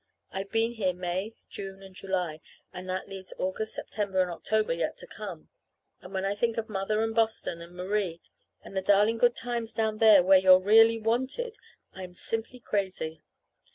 I've been here May, June, and July; and that leaves August, September, and October yet to come. And when I think of Mother and Boston and Marie, and the darling good times down there where you're really wanted, I am simply crazy.